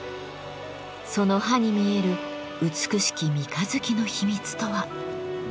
その刃に見える美しき三日月の秘密とは。